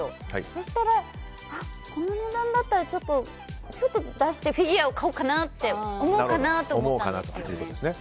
そしたら、この値段だったらちょっと出してフィギュアを買おうかなと思うかなと思ったんですよ。